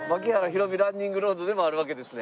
寛己ランニングロードでもあるわけですね。